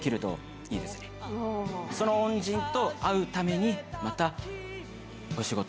その恩人と会うためにまたお仕事